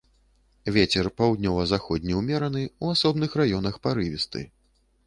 Вецер паўднёва-заходні ўмераны, у асобных раёнах парывісты.